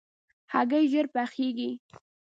هګۍ ژر پخېږي.